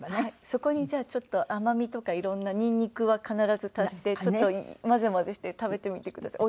そこにじゃあちょっと甘みとかいろんなニンニクは必ず足してちょっと混ぜ混ぜして食べてみてください。